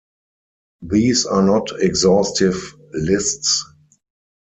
These are not exhaustive lists.